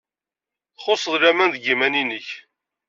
Txuṣṣed laman deg yiman-nnek.